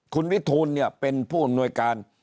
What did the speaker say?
คุณวิทูลเป็นผู้อ่อนโนยการ